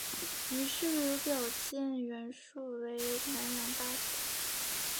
于是刘表荐袁术为南阳太守。